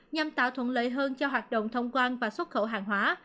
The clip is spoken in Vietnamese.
nhằm tạo thuận lợi hơn cho hoạt động thông quan và xuất khẩu hàng hóa